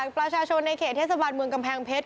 ประชาชนในเขตเทศบาลเมืองกำแพงเพชร